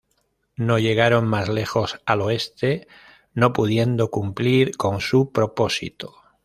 No llegaron más lejos al oeste, no pudiendo cumplir con su propósito.